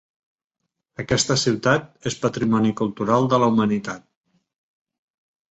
Aquesta ciutat és Patrimoni Cultural de la Humanitat.